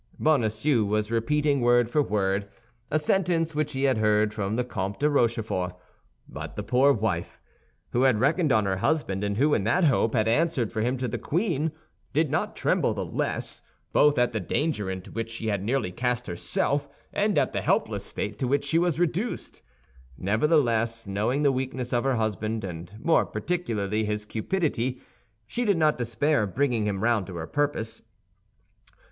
Bonacieux was repeating, word for word, a sentence which he had heard from the Comte de Rochefort; but the poor wife, who had reckoned on her husband, and who, in that hope, had answered for him to the queen, did not tremble the less, both at the danger into which she had nearly cast herself and at the helpless state to which she was reduced. Nevertheless, knowing the weakness of her husband, and more particularly his cupidity, she did not despair of bringing him round to her purpose.